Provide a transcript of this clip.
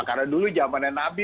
karena dulu zaman nabi